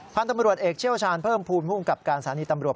พันธุ์ตำรวจเอกเชี่ยวชาญเพิ่มภูมิภูมิกับการสถานีตำรวจ